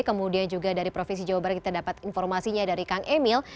kemudian juga dari provinsi jawa barat kita dapat informasinya dari kang emil